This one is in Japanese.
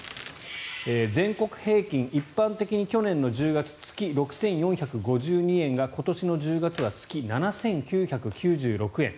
全国平均、一般的に去年の１０月月６４５２円が今年の１０月は月７９９６円。